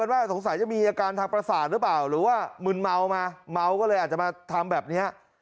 หรือว่ามึนเมามาเมาออกมาอาจจะทำแบบนี้